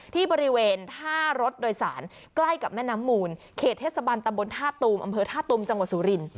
ที่บริเวณท่ารถโดยสารใกล้กับแม่น้ำมูลเขตเทศบันตำบลท่าตูมอำเภอท่าตูมจังหวัดสุริน